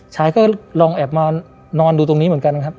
ชายก็ลองแอบมานอนดูตรงนี้เหมือนกันนะครับ